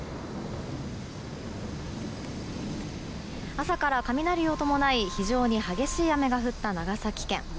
朝から雷を伴い非常に激しい雨が降った長崎県。